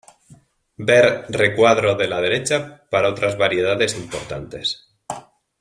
Ver recuadro de la derecha para otras variedades importantes.